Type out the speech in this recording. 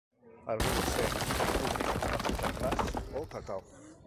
Algunos se recubren con azúcar glas o cacao.